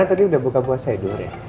rena tadi udah buka puasanya dulu rena